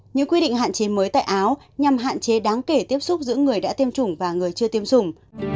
những quy định hạn chế mới tại áo nhằm hạn chế đáng kể tiếp xúc giữa người đã tiêm chủng và người chưa tiêm chủng